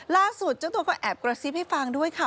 เจ้าตัวก็แอบกระซิบให้ฟังด้วยค่ะ